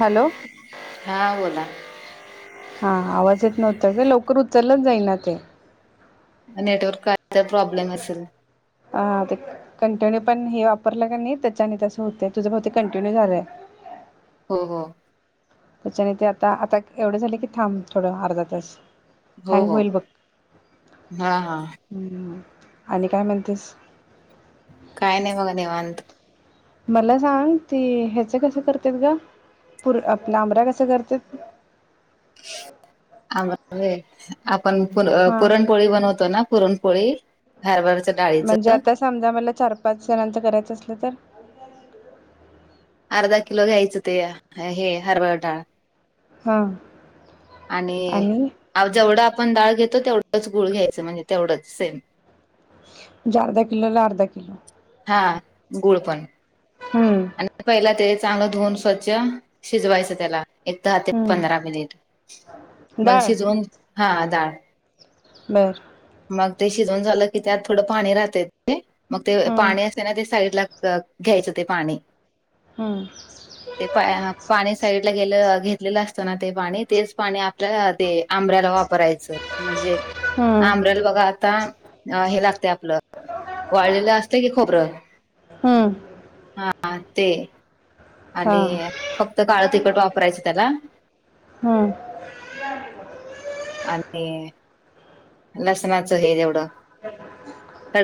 Hello हा बोला हा आवाज येत नव्हता ग. लवकर उचललाच जाईना ते म नेटवर्क कायतर प्रॉब्लेम असल हा ते कंटिन्यू पण हे वापरलं कनी त्याच्यानी तसं होतय. तुझ बहुतेक कंटिन्यू झालंय. हो हो. त्याच्यानी ते आता, आता एवढं झाले की, थांब थोडं अर्धा तास हो हँग हो होईल बघ. हा हा हूं हम्म आणि काय म्हणतेस? काय नाय बघा निवांत मला सांग ते हेचं कसं करतात ग? पुर आपल लांबऱ्या कसं करत्यात [unintelligible] आपण पुर हां पुरणपोळी बनवतोय ना पुरणपोळी हरभराच्या म्हणजे डाळीचं आता समजा मला चार पाच जणांचं करायचं असलं तर अर्धा किलो घ्यायचं ते हे हरभरा डाळ हां आणि जेवढं आपण डाळ घेतो. तेवढंच गुळ घ्यायचं. म्हणजे तेवढंच सेम म्हणजे अर्धा किलोला अर्धा किलो हा, गुळ पण हूं आणि पहिला ते चांगलं धुवून स्वच्छ, शिजवायचं त्याला एक दहा ते पंधरा हम्म मिनिट. मग डाळ शिजवून, हा डाळ बर मग ते शिजवून झालं की, त्यात थोडं पाणी राहतय ते मग ते हम्म, पाणी अस ते ना ते साईड ला घ्यायचं ते पाणी हां ते प पाणी साईड गेलं घेत. घेतलेलं असतना ते पाणी तेच पाणी आपल्या ते आंबऱ्याला वापरायचं म्हणजे हम्म, आंब्र्याला बघा आता हे लागतय. आपलं वाळलेलं असय की खोबरं, हूं हा ते आणि फक्त काळं तिखट वापरायचं त्याला हम्म. आणि लसणाचं हे एवढं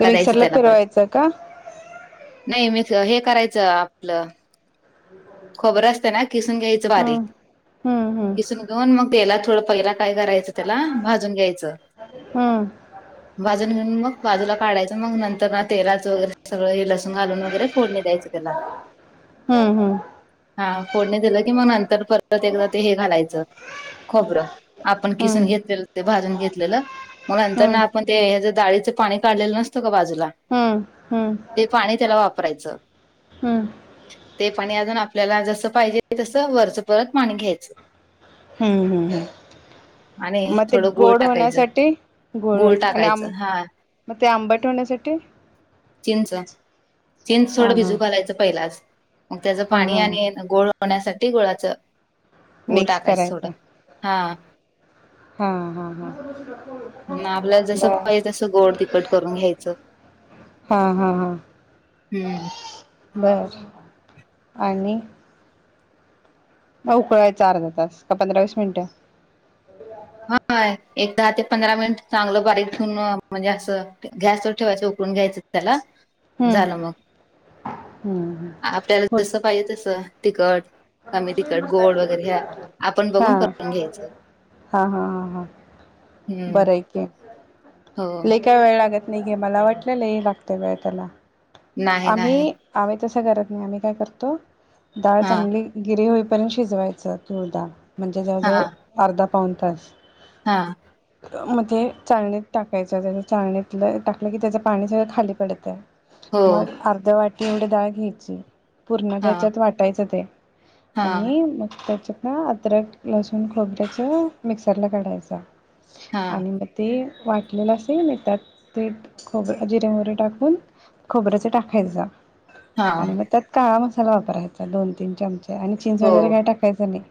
ते मिक्सरला फीरवायचं का? नाही मीसं हे करायचं आपलं, खोबरं असतं ना किसून घ्याय च बारीक हम्म, हम्म, किसून घेऊन मग तेला थोडं पहिला काय करायचं त्याला भाजून घ्यायचं. हा [inaudible] भाजून घेऊन मग बाजूला काढायचं. मग नंतर ना, तेलाचं वगैरे सगळं, हे लसून घालून वगैरे फोडणी द्यायचं. केला. हम्म, हम्म, हा, फोडणी दिलं की मग नंतर परत एकदा ते हे घालायचं. खोबरं आपण किसून हम्म, घेतलेलं ते भाजून घेतलेलं. मग नंतर ना, हम्म, आपण ते हेच्या डाळीचं पाणी काढलेलं नसतं का बाजूला? हो. ते पाणी त्याला वापरायचं. हम्म, ते पाणी अजून आपल्याला जसं पाहिजे तसं वरच परत पाणी घ्यायचं. हम्म-हम्म, आणि मग ते थोडं गुळ गोड टाकायचं होण्यासाठी गूळ हो गुळ आणि आ टाकायचं हा मग ते आंबट होण्यासाठी चिंच-चिंच न हा थोडं हा भिजू घालं. पहिलाच मग त्याच हा पाणी हा आणि गोळ होण्यासाठी गुळाच गुळ मिक्स टाकायचं थोडं, करायचं हा. हा-हा, मग हा-हा, आपल्याला जसं बरं. पाहिजे तसं गोड तिखट करून घ्यायचं. हा-हा, हा. हम्म बरं, आणि मग उकळायचा अर्धा तास का पंधरा वीस मिनिटं? होय, एक दहा ते पंधरा मिनिट चांगलं बारीक ठेवून, म्हणजे असं गॅसवर ठेवायचं, उकळून घ्यायचं. चला, हम्म झालं मग हम्म आपल्याला हो जसं पाहिजे तसं तिकट-कमी तिकट, गोड वगैरे ह्या आपण बघून करून घ्यायचं. हा-हा, हा-हा, हम्म बरं आहे की. हो. इतका वेळ लागत नाही गे मला. वाटलं लय लागते वेळ त्याला, नाही नाही आम्ही आम्ही तसं करत नाही. आम्ही काय करतो, डाळ हा चांगली- गिरे होईपर्यंत शिजवायचं तुरडाळ, म्हणजे हा जवळजवळ अर्धा-पाऊण तास हा. अं, मग ते चाळणीत टाकायच त्या चाळणीतलं टाकलं की त्याच पाणी सगळं खाली पडतं, हो मग अर्ध वाट तेवढी डाळ घ्यायची, पूर्ण हा त्याच्यात वाटायचं ते हा आणि मग त्याच्या हं, अद्रक, लसुण, खोबऱ्याचं मिक्सरला काढायचा हा आणि ब ती वाट वाटलेलं असतंय म त्यात ते खोबरं, जिरे, मोहरी टाकून खोबऱ्याचे टाकायचं. हा आणि मग त्यात काळा मसाला वापरायचा दोन-तीन चमचे, आणि चिंच हो वगैरे काय टाकतं. काहीच नाही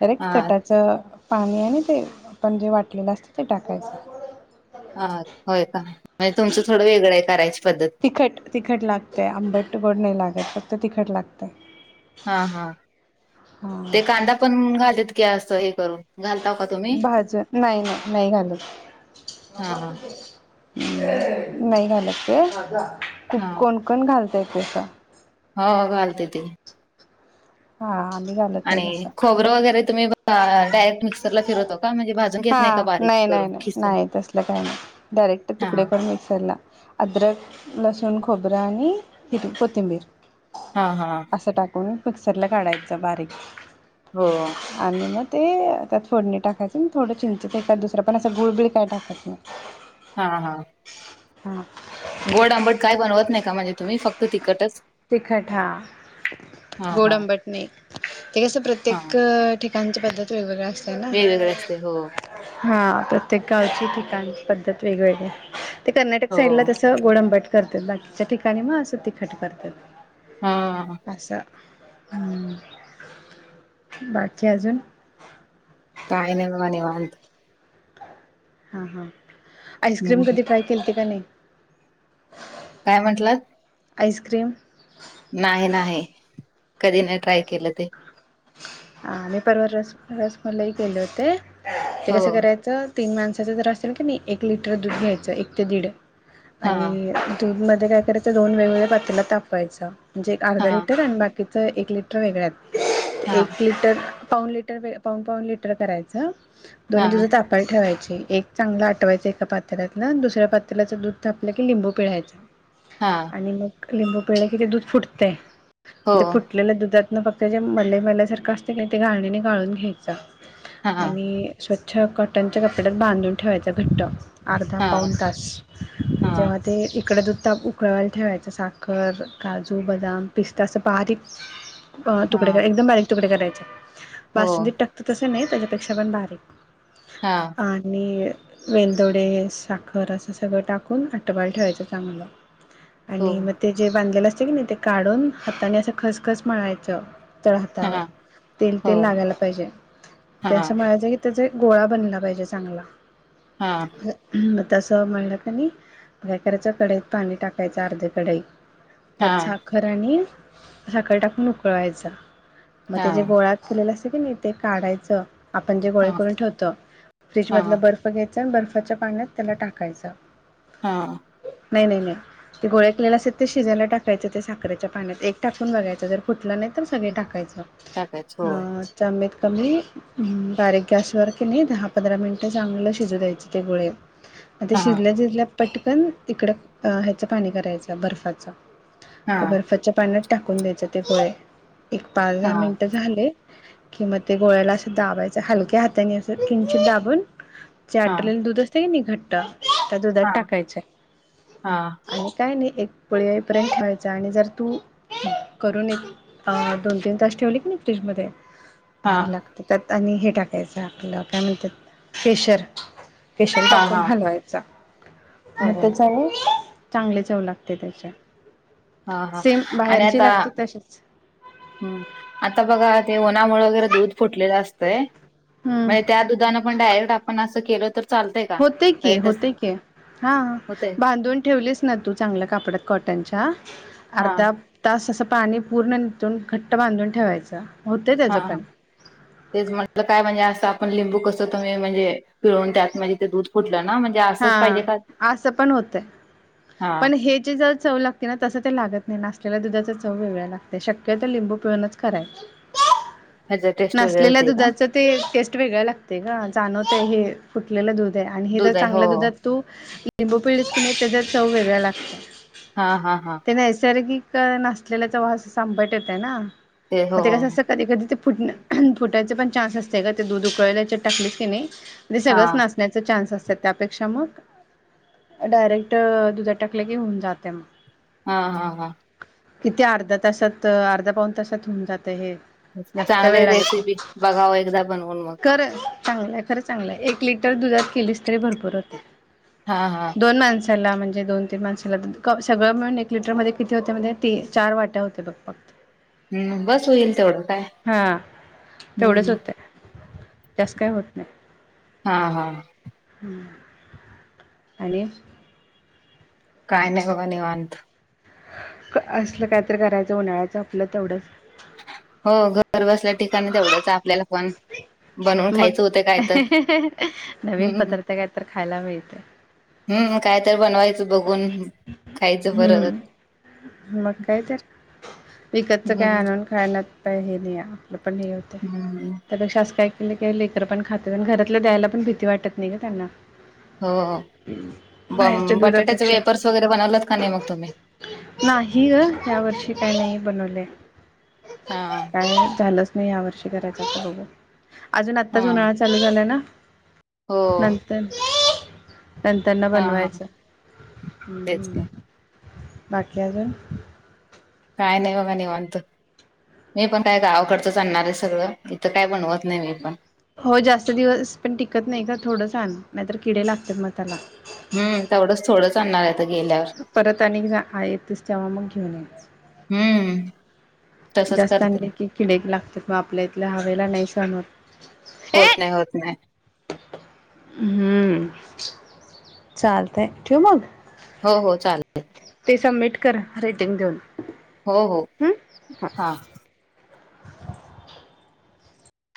तर एक हा कटाचं पाणी आणि तेल, आपण जे वाटलेलं असतं ते टाकायचं. हा, होय का? नाही, तुमचं थोडं वेगळं आहे करायची पद्धत. तिखट-तिखट लागतंय, आंबट गोड नाही लागत, फक्त तिखट लागतंय. हा-हा, हा ते कांदा पण घालत की? असं हे करून घालता का तुम्ही? भाज्या नाही, नाही-नाही, घालत. हा हा नाही घालत ते. खूप कोण-कोण घालतंय ते तसं हो, घालते ते. हा-हा. आणि खोबरं वगैरे तुम्ही अ डायरेक्ट मिक्सरला फिरतो का? म्हणजे भाज हां नाही नाही नाही नाही तसलं काही नाही. डायरेक्ट हा तुकडे करून मिक्सरला अद्रक, लसूण, खोबरं, आणि हिरवी कोथिंबीर. हां हां. असं टाकून मिक्सरला काढायचं बारीक. हो. आणि मग ते त्यात फोडणी टाकायचं थोडं चिंचेच एखाद दुसरं, पण असं गुळबिळ काय टाकायचं नाही. हां हां. हां. गोड, आंबट काय बनवत नाही का म्हणजे तुम्ही फक्त तिखटच? तिखटं हा हां गोड हा आंबट नाही, ते कसं हा प्रत्येक- ठिकाणची पध्दत वेगवेगळी असते ना! वेगवेगळे असते हो हां प्रत्येक गावची ठिकाण पद्धत वेगवेगळे. ते कर्नाटक हो साईडला तसं गोड आंबट करतात, बाकीच्या ठिकाणी मग असं तिखट करतात. हां हां. असं हम्म, बाकी अजून! काय नाही बाबा निवांत. हां हां आईस्क्रीम हम्म. कधी ट्राय केलती का नाही? काय म्हंटलात? आईसक्रीम! नाही नाही कधी नाही ट्राय केलं ते. हां मी परवा रस रसमलाई केले होते. ते हो. कसं करायचं? तीन माणसाचं जर असेल की नाही, एक लिटर दूध घ्यायचं एक ते दीड. हां, आणि दूध मध्ये काय करायचं दोन वेगवेगळ्या पातील्यात तापवायंच. म्हणजे एक हां, अर्धा लिटर आणि बाक कीच एक लिटर वेगळ्यात हां. एक लिटर पाऊण लिटर पाऊण पाऊण लिटर करायचं. दोन्ही हां, दूध ताप पायला ठेवायचे. एक चांगल आटवायच एका पातील्यातल आणि दुसऱ्या पातील्याच दूध तापलं की लिंबू पिळायचं. हां. आणि मग लिंबू पिळले की ते दूध फुटतंय हो. आणि ते फुट आपल्याला दुधातन फक्त जे मलई मलईसारखं असतंय की नाही ते गाळणीने गाळून घ्यायचं. हां, हां, आणि स्वच्छ कॉटनच्या कपड्यात बांधून ठेवायचा घट्ट. अर्धा हां, पाऊण तास. हां. जेव्हा ते इकडं दुध ताप उकळायला ठेवायचं, साखर, काजू, बदाम, पिस्ता असं बारीक [inaudible] अ तुकडे हां. एकदम बारीक तुकडे करायचे. हो. बासुंदीत टाकत तसें नाही त्याच्यापेक्षा पण बारीक. हां. आणि वेलदोडे, साखर असं सगळं टाकून आटवायला ठेवायचं चांगलं. आणि मग ते जे बांधलेलं असतं की नाही ते काढून हाताने असं खसखस मळायचं. तळ हातावर तेल हो. तेल लागायला पाहिजे ते अस हां, मळायचा की त्याचा एक गोळा बनला पाहिजे चांगला. हां. मग तसं मळलं का नाही काय करायचं कढईत पाणी टाकायचं अर्धी कढई त्यात हां, साखर आणि साखर टाकून उकळायचा मग ते जे हां, गोळात केलेल असते की नाही ते काढायच आपण जे गोळे हां, करून ठेवतो फ्रीज मधल हां, बर्फ घ्यायच आणि बर्फाच्या पाण्यात त्याला टाकायच हां नाही नाही नाही ते गोळे केले असतात ते शिजाला टाकायच ते साखरेच्या पाण्यात एक टाकुन बघायच जर फुटल नाही तर सगळे टाकायच टाकायचं. हो. अं चमीत कमी बारीक गॅसवर की नाही दहा पंधरा मिनिट चांगल शिजु द्यायचे ते गोळे आता हां, शिजल्या जिजल्या पटकन इकड ह्याच पाणी करायच बर्फाच त्या हां, बर्फाच्या पाण्यात टाकुन द्यायचे ते गोळे एक पाच -दहा हां, मिनिट झाले कि म ते गोळ्याला अस दाबायच हलक्या हाताने अस किंचित दाबुन जे हां, आटवलेल दुध असते कि नाही घट्ट त्या दुधात हां, टाकायच हां, आणि काय नाही एक उकळी येईपर्यंत पर्यंत आणि जर तु करून एक अं दोन -तीन तास ठेवले की नाही फ्रीज मध्ये हां, भारी लाग तर त्यात आणि हे आपल काय म्हणतात केशर केशर हां, टाकुन हां. हलवायचा मग बरोबर. त्याच्यानी चांगले चव लागते त्याच्या हां, हां. सेम बाहेरची लागते तशीच ह आता बघा ते उन्हामुळे वगैरे दुध फुटलेल असत हम्म म्हणजे त्या दुधान पण डायरेक्ट आपण अस केल तर चालतंय का? होते काही तसं होते की हां होतंय? बांधुन ठेवलेस ना तु चांगल्या कापडात कॉटनच्या हां, अर्ध्या तास अस पाणी पुर्ण निथळून घट्ट बांधुन ठेवायच हां तेच म्हटल काय म्हणजे आपण लिंबु कस तुम्ही म्हणजे पिळुन त्यात म्हणजे ते दुध फुटल ना म्ह हां अस पण होतय हा पण हे चे चव लागते ना तस ते लागत नाही ना नासलेल्या दुधाचा चव वेगळ्या लागते शक्यतो लिंबु पिळुनच करायच याची टेस्ट वेगळी नासलेल्या होते का दुधाचं ते टेस्ट वेगळा लागते का जाणवत आहे हे फुटलेल दुध आहे आणि हे जर दूध आहे हो चांगल्या दुधात तु लिंबु पिळलीस का नाही त्याच्या चव वेगळा लागत हा हां हां नैसर्गिक नासल्याचा वास आंबट येतय ना मग ते कस कधी कधी ते फुट फुटायचे पण चान्स असते ग ते दुध उकळालाचे टाकलेस की नाही ते हा सगळंच नासण्याच चान्स असतात त्यापेक्षा मग डायरेक्ट दुधात टाकले की होऊन जाते मग हां हां हां किती अर्धा तासात अर्धा पाऊन तासात होऊन जात हे जास्त काय चांगली वेळ आहे बघाव रेसिपी एकदा बनवुन मग खर [inaudible] चांगलय चांगलय खरच चांगल आहे एक लिटर दुधात केलीस भरपूर होते हां हां दोन माणसाला म्हणजे दोन तीन माणसाला सगळ मिळून एक लिटरमध्ये किती होते माहीती ते चार वाट्या होते बघ फक्त बस होईल तेवढं काय हा हम्म तस काय होत नाही हां हां आणि काय नाही बघा निवांत. असलं काय तर करायचं, उन्हाळ्याचं आपलं तेवढंच. हो, घर बसल्या ठिकाणी तेवढंच आपल्याला पण बनवून मग, खायचं होतं काय तर नवीन हम्म पदार्थ काय तर खायला मिळतंय. हम्म. काय तर बनवायचं बघून, खायचं परत. हम्म मग काय तर, विकतचं काय हम्म आणून खाण्यात पण हे नाही, आपलं पण हे होतं. हम्म. त्यापेक्षा असं काय केले की लेकरं पण खातेत, अन घरातलं द्यायला पण भीती वाटत नाही गं त्यांना. हो, बं बाहेरच्या बटाट्याचे दुधापेक्षा वेपर्स वगैरे बनवलेत का नाही मग तुम्ही? नाही गं, यावर्षी काय नाही बनवले. हा. झालंच नाही या वर्षी करायचं, आता बघूया. अजून हा आत्ताच उन्हाळा चालू झालाय ना. हो नंतर, नंतर ना हा हा बनवायचं. तेच की हम्म्, बाकी अजून? काय नाही बघा, निवांत. नाय पण काय गावाकडचंच आणणार आहे सगळं, इथं काय बनवत नाही मी. हो, जास्त दिवस पण टिकत नाही गं, थोडंच आण. नाहीतर, किडे लागतात मग त्याला. हम, तेवढंच थोडं तांदळ्यात गेल्यावर परत आणि आहेतच, तेव्हा मग घेऊन यायचं. हम्म. तसंच जास्त करते आणलं की किडे एक लागतात, मग आपल्या इथल्या हवेला नाही सहन होत. हे होत नाही, होत नाही. हम्म. चालतंय, ठेवू मग? हो.. हो, चालतंय. ते सबमिट करा, रेटिंग देऊन. हो.. हो, हम्म. हां. हा.